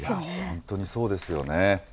本当にそうですよね。